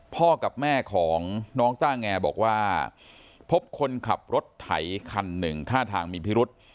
พ่อกับแม่ของน้องต้าแงบอกว่าพบคนขับรถไถคันหนึ่งท่าทางมีพิรุษ